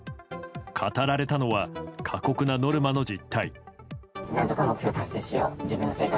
語られたのは過酷なノルマの実態。